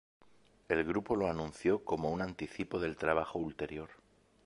El grupo lo anunció como un anticipo del trabajo ulterior.